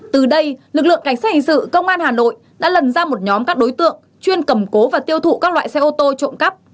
từ đây lực lượng cảnh sát hình sự công an hà nội đã lần ra một nhóm các đối tượng chuyên cầm cố và tiêu thụ các loại xe ô tô trộm cắp